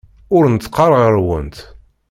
Ur neṭṭqeɣ ɣer-went.